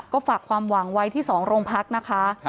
ก็ฝากความหวังไว้ที่๒โรงพักนะคะ